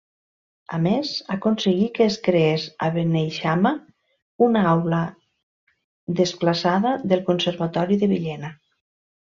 A més, aconseguí que es creés a Beneixama una aula desplaçada del Conservatori de Villena.